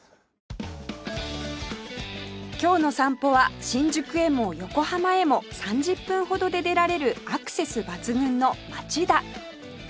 今日の散歩は新宿へも横浜へも３０分ほどで出られるアクセス抜群の町田